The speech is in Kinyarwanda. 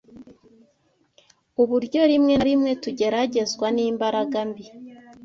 uburyo rimwe na rimwe tugeragezwa nimbaraga mbi